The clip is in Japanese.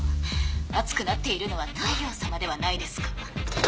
熱くなっているのは大陽さまではないですか。